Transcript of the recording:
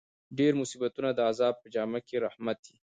ډېر مصیبتونه د عذاب په جامه کښي رحمت يي.